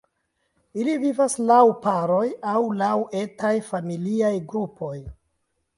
Ili vivas laŭ paroj aŭ laŭ etaj familiaj grupoj.